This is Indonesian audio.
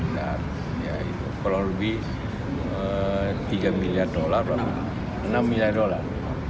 kalau lebih tiga miliar dolar enam miliar dolar